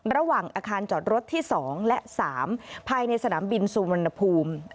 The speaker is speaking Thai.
ระหว่างอาคารจอดรถที่๒และ๓ภายในสนามบินสุวรรณภูมิ